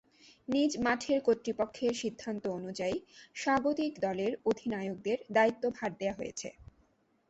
নিজ মাঠের কর্তৃপক্ষের সিদ্ধান্ত অনুযায়ী স্বাগতিক দলের অধিনায়কের দায়িত্বভার দেয়া হয়েছে।